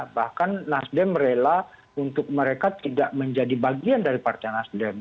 bahkan nasdem rela untuk mereka tidak menjadi bagian dari partai nasdem